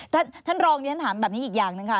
ท่านรองท่านถามแบบนี้อีกอย่างนึงค่ะ